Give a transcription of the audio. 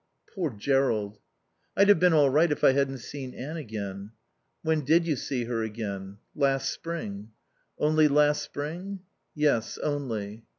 "Poor Jerrold " "I'd have been all right if I hadn't seen Anne again." "When did you see her again?" "Last spring." "Only last spring?" "Yes, only."